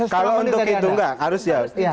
kalau untuk itu nggak harus jawab